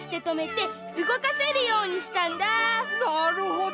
なるほど！